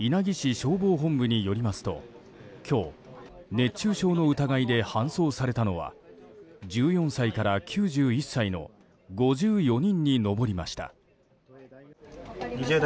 消防本部によりますと今日、熱中症の疑いで搬送されたのは１４歳から９１歳の５４人に上りました。